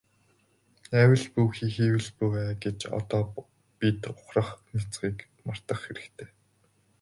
АЙвал бүү хий, хийвэл бүү ай гэж одоо бид ухрах няцахыг мартах хэрэгтэй.